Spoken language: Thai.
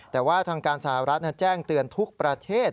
แต่ว่าทางการสหรัฐแจ้งเตือนทุกประเทศ